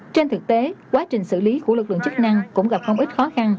trên thực tế quá trình xử lý của lực lượng chức năng cũng gặp không ít khó khăn